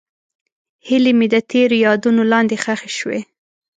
هیلې مې د تېر یادونو لاندې ښخې شوې.